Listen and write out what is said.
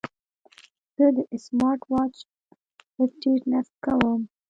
زه د سمارټ واچ اپډیټ نصب کوم.